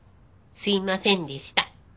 すいませんでした。